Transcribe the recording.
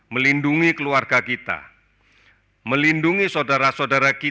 melindungi keluarga kita